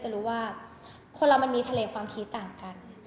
รู้ว่าคนเรามันมีทะเลความคิดต่างกัน